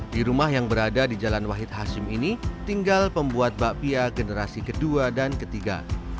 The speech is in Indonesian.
di rumah yang berada di jalan wahid hashim ini tinggal pembuat bakpia generasi kedua dan ketiga